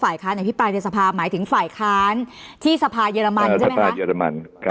ฝ่ายค้าในพิปรายในสภาหมายถึงฝ่ายค้านที่สภาเยอรมันใช่ไหมคะ